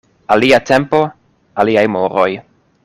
Alia tempo, aliaj moroj.